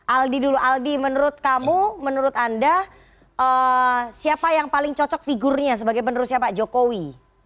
aldi dulu aldi menurut kamu menurut anda siapa yang paling cocok figurnya sebagai penerusnya pak jokowi